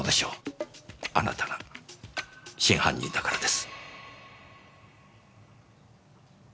あなたが真犯人だからです。